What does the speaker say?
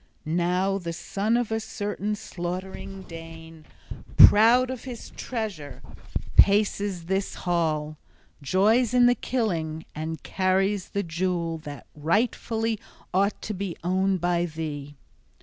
Now, the son of a certain slaughtering Dane, proud of his treasure, paces this hall, joys in the killing, and carries the jewel {28d} that rightfully ought to be owned by thee!